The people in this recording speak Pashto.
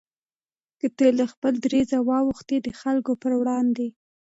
که ته له خپل دریځه واوښتې د خلکو پر وړاندې